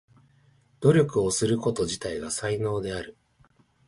努力を継続すること自体が才能である。